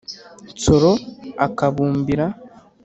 nsoro akabumbira